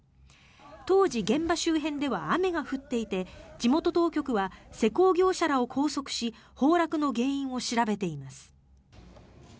当時、現場周辺では雨が降っていて地元当局は施工業者らを拘束し崩落の原因を調べています。